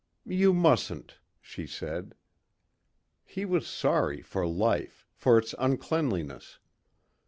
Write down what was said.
"You mustn't," she said. He was sorry for life, for its uncleanliness.